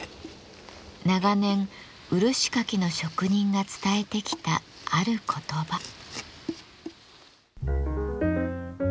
長年漆かきの職人が伝えてきたある言葉。